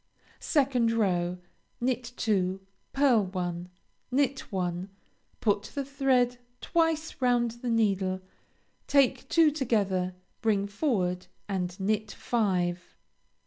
2nd row Knit two, pearl one, knit one, put the thread twice round the needle, take two together, bring forward, and knit five.